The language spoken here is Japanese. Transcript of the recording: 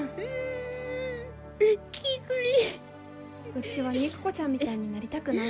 うちは肉子ちゃんみたいになりたくない。